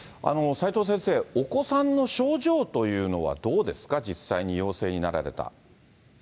齋藤先生、お子さんの症状というのはどうですか、実際に陽性になられた。